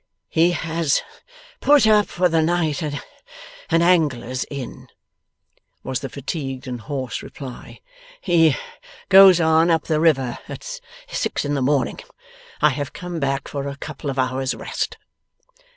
'He has put up for the night, at an Angler's Inn,' was the fatigued and hoarse reply. 'He goes on, up the river, at six in the morning. I have come back for a couple of hours' rest.